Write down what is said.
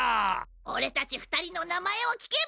俺たち２人の名前を聞けば。